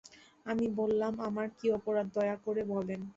আমি বললাম, আমার কী অপরাধ দয়া করে বলেন।